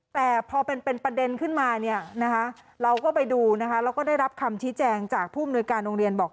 แต่พอเป็นปัญเดชน์ขึ้นมาเราก็ได้รับคำชี้แจงจากผู้บุญการโรงเรียนบอก